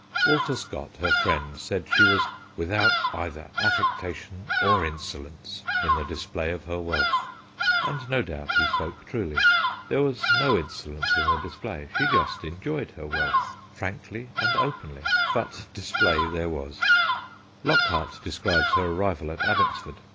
Walter Scott, her friend, said she was 'without either affectation or insolence in the display of her wealth/ and no doubt he spoke truly. There was no insolence in the display : she just enjoyed her wealth frankly HAKRIOT IN EXCELSIS 217 and openly, but display there was. Lock hart describes her arrival at Abbotsford.